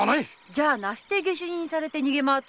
じゃあなして下手人にされて逃げ回っとると？